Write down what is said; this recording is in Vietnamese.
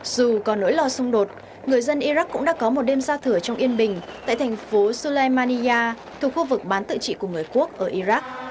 dù có nỗi lo xung đột người dân iraq cũng đã có một đêm giao thừa trong yên bình tại thành phố soleimania thuộc khu vực bán tự trị của người quốc ở iraq